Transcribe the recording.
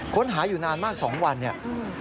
ค้นหาอยู่นานมาก๒วันเนี่ย